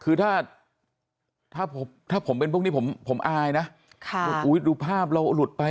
คือถ้าถ้าผมเป็นพวกนี้ผมอายนะอุ้ยดูภาพเราหลุดไป